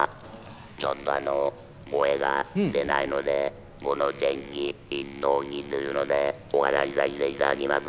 ちょっとあの声が出ないのでこの電気咽頭機というのでお話しさせていただきます」。